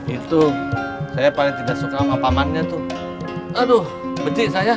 itu saya paling tidak suka sama pamannya tuh aduh benci saya